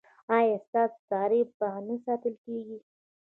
ایا ستاسو تاریخ به نه ساتل کیږي؟